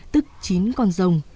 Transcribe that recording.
tức chín con rồng